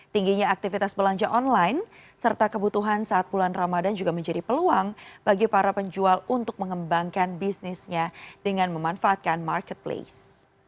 tingginya aktivitas belanja online serta kebutuhan saat bulan ramadan juga menjadi peluang bagi para penjual untuk mengembangkan bisnisnya dengan memanfaatkan marketplace